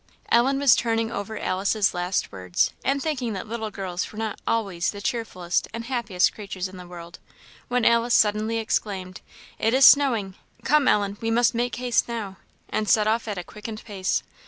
Ellen was turning over Alice's last words, and thinking that little girls were not always the cheerfullest and happiest creatures in the world, when Alice suddenly exclaimed, "It is snowing! Come, Ellen, we must make haste now!" and set off at a quickened pace.